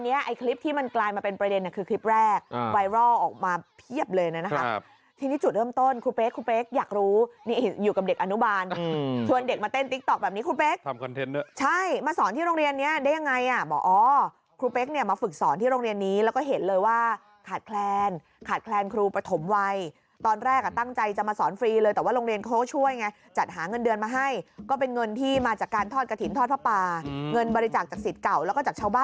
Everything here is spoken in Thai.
นี้ไอ้คลิปที่มันกลายมาเป็นประเด็นคือคลิปแรกไวรอลออกมาเพียบเลยนะครับที่นี่จุดเริ่มต้นครูเป๊กครูเป๊กอยากรู้อยู่กับเด็กอนุบาลเธอเด็กมาเต้นติ๊กต๊อกแบบนี้ครูเป๊กมาสอนที่โรงเรียนนี้ได้ยังไงอ่ะหมออ้อครูเป๊กเนี่ยมาฝึกสอนที่โรงเรียนนี้แล้วก็เห็นเลยว่าขาดแคลนขาดแคลนครูประถมวัยตอนแรกตั้งใจจะมา